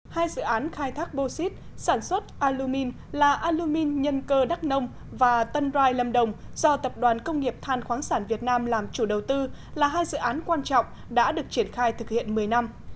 hai dự án khai thác bô xít sản xuất alumin là alumin nhân cơ đắk nông và tân rai lâm đồng do tập đoàn công nghiệp than khoáng sản việt nam làm chủ đầu tư là hai dự án quan trọng đã được triển khai thực hiện một mươi năm